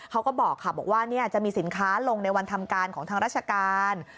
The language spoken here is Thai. เขาก็บอกค่ะบอกว่าจะมีสินค้าลงในวันทำการของทางราชการ